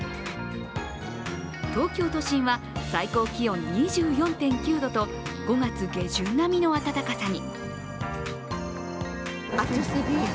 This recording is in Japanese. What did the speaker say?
東京都心は最高気温２４．９度と５月下旬並みの暖かさに。